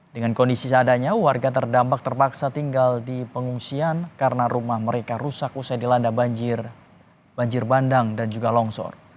dengan kondisi seadanya warga terdampak terpaksa tinggal di pengungsian karena rumah mereka rusak usai dilanda banjir banjir bandang dan juga longsor